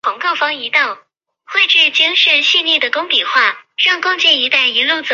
公司总部位于意大利佩斯卡拉市。